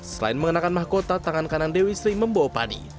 selain mengenakan mahkota tangan kanan dewi sri membawa padi